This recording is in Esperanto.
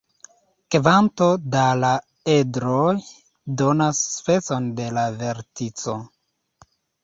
Kvanto da la edroj donas specon de la vertico.